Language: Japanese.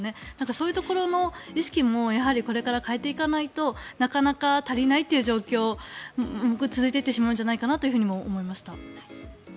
そういうところの意識もこれから変えていかないとなかなか足りないという状況が続いていってしまうんじゃないかと思いました。